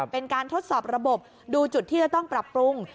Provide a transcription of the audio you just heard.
เป็นการทดสอบระบบดูจุดที่จะต้องปรับปรุง